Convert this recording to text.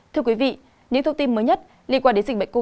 thưa quý vị những thông tin mới nhất liên quan đến dịch bệnh lây lan